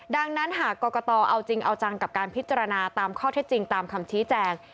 ดังนั้นหากกรกตเอาจริงเอาจังกับการพิจารณาตามข้อเท็จจริงตามคำชี้แจง